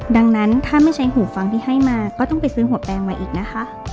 ดังนั้นถ้าไม่ใช้หูฟังที่ให้มาก็ต้องไปซื้อหัวแปลงมาอีกนะคะ